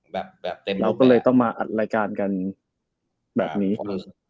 เราก็เลยต้องมาอัดรายการกันแบบนี้